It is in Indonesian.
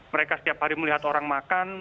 mereka setiap hari melihat orang makan